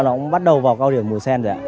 là cũng bắt đầu vào cao điểm mùa sen rồi ạ